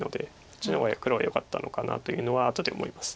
そっちの方が黒はよかったのかなというのは後で思います。